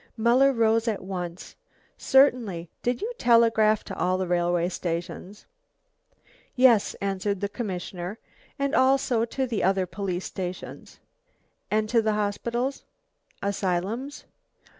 Muller rose at once. "Certainly. Did you telegraph to all the railway stations?" "Yes," answered the commissioner, "and also to the other police stations." "And to the hospitals? asylums?"